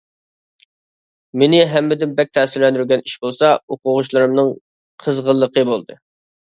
مېنى ھەممىدىن بەك تەسىرلەندۈرگەن ئىش بولسا، ئوقۇغۇچىلىرىمنىڭ قىزغىنلىقى بولدى.